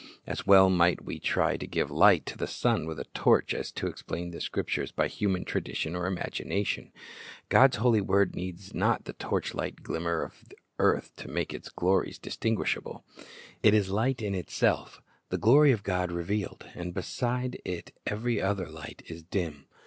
As well might we try to give light to the sun with a torch as to explain the Scriptures by human tradition or imagination. God's holy word needs not the torchlight glimmer of earth to make its glories distinguishable. It is light in itself, — the glory of God revealed; and beside it every other light is dim.